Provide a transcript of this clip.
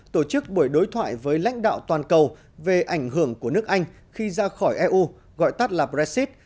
tổ chức buổi đối thoại với lãnh đạo toàn cầu về ảnh hưởng của nước anh khi ra khỏi eu gọi tắt là brexit